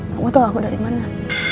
kamu tahu aku dari mana